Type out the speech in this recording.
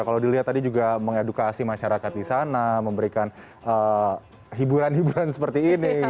kalau dilihat tadi juga mengedukasi masyarakat di sana memberikan hiburan hiburan seperti ini